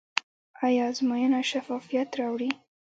آیا ازموینه شفافیت راوړي؟